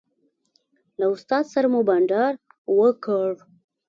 له استاد سره مو بانډار وکړ.